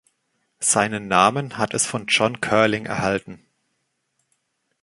Seinen Namen hat es von John Curling erhalten.